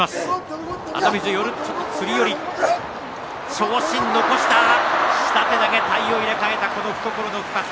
長身残した下手投げ体を入れ替えた懐の深さ。